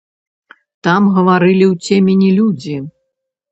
Там гаварылі ў цемені людзі.